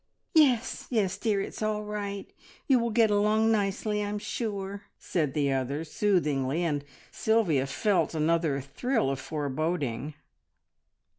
"Yes, yes, dear! It's all right. You will get along nicely, I'm sure," said the other soothingly, and Sylvia felt another thrill of foreboding.